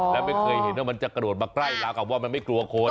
และไม่เคยเห็นว่ามันจะกระโดดมาใกล้แล้วกับว่ามันไม่กลัวคน